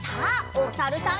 おさるさん。